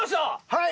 はい。